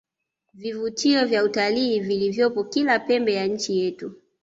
vivutio vya utalii vilivyopo kila pembe ya nchi yetu